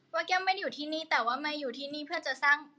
แก้วไม่ได้อยู่ที่นี่แต่ว่ามาอยู่ที่นี่เพื่อจะสร้าง